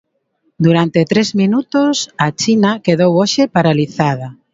Durante tres minutos a China quedou hoxe paralizada.